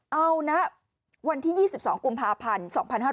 เอานะวันที่๒๒กุมภาพันธ์๒๕๕๙